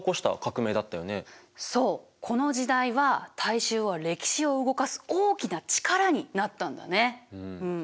そうこの時代は大衆は歴史を動かす大きな力になったんだね。